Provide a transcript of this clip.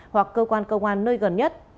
hoặc cơ quan cơ quan nơi gần nhất